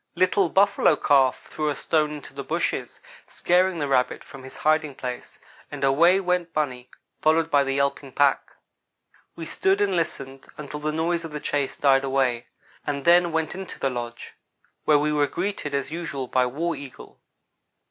Little Buffalo Calf threw a stone into the bushes, scaring the rabbit from his hiding place, and away went bunny, followed by the yelping pack. We stood and listened until the noise of the chase died away, and then went into the lodge, where we were greeted, as usual, by War Eagle.